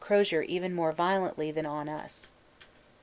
Crozier even more violently than on us.